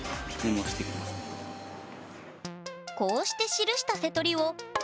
こうして記したセトリを「＃